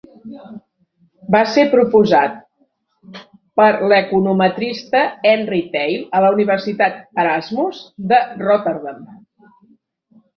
Va ser proposat per l'econometrista Henri Theil a la Universitat Erasmus de Rotterdam.